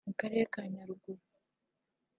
mu Karere ka Nyaruguru